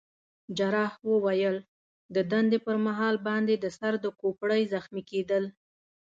جراح وویل: د دندې پر مهال باندي د سر د کوپړۍ زخمي کېدل.